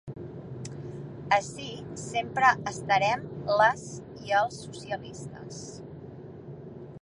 Ací sempre estarem les i els socialistes.